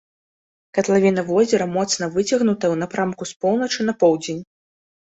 Катлавіна возера моцна выцягнутая ў напрамку з поўначы на поўдзень.